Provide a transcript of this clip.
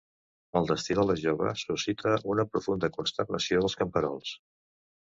El destí de la jove suscita una profunda consternació dels camperols.